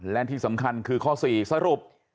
และที่สำคัญคือข้อ๔สรุป